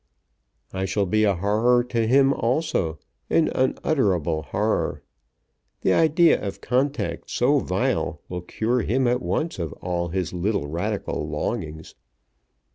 "I shall be a horror to him also, an unutterable horror. The idea of contact so vile will cure him at once of all his little Radical longings."